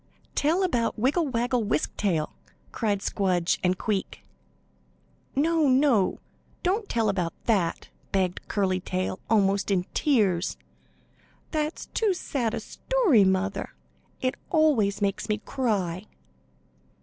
"Tell about Wiggle Waggle Wisk Tail!" cried Squdge and Queek. "No, no; don't tell about that," begged Curly Tail, almost in tears. "That's too sad a story, mother. It always makes me cry."